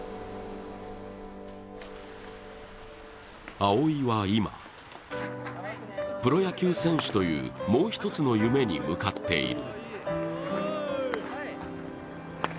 蒼生は今、プロ野球選手というもう一つの夢に向かっている。